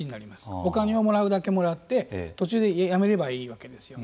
お金をもらうだけもらって途中でやめればいいわけですよね。